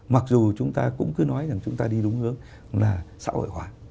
mặc dù chúng ta cũng cứ nói rằng chúng ta đi đúng hướng là xã hội hóa